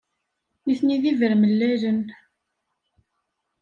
Nitni d ibermellalen.